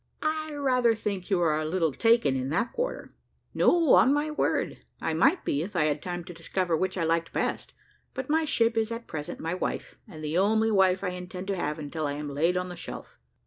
"I rather think you are a little taken in that quarter." "No, on my word! I might be, if I had time to discover which I liked best; but my ship is at present my wife, and the only wife I intend to have until I am laid on the shelf."